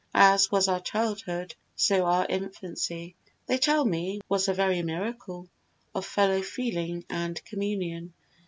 As was our childhood, so our infancy, They tell me, was a very miracle Of fellow feeling and communion.